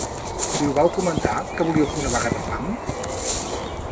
Li ho vau comentar, que volíeu fer una vaga de fam?